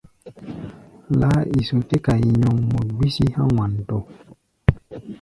Laáiso tɛ́ kai nyɔŋmɔ gbísí há̧ Wanto.